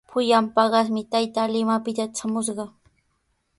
Pullan paqasmi taytaa Limapita traamushqa.